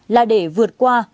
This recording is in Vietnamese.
là để vượt qua